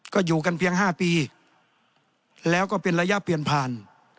ก็อยู่กันเพียง๕ปีแล้วก็เป็นระยะเปลี่ยนผ่าน